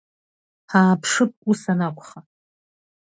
Ҳааԥшып, ус анакәха.